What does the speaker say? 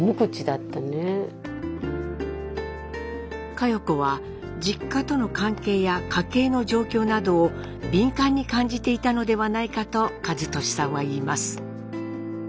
佳代子は実家との関係や家計の状況などを敏感に感じていたのではないかと和利さんはいいます。